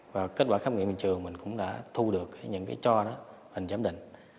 và kết quả khám nghiện hiện trường mình cũng đã thu được những cái cho đó hình giám định